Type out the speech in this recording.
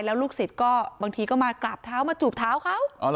แล้วลูกศิษย์ก็บางทีก็มากราบเท้ามาจูบเท้าเขา